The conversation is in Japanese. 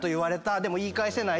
でも言い返せない。